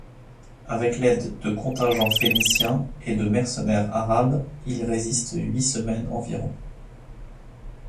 Avec l'aide de contingents phéniciens et de mercenaires arabes, il résiste huit semaines environ.